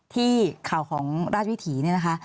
ที่ข่าวของราชวิถี